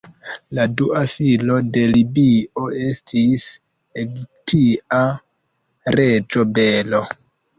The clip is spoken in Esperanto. La dua filo de Libio estis egiptia reĝo Belo.